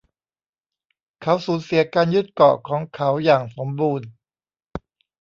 เขาสูญเสียการยึดเกาะของเขาอย่างสมบูรณ์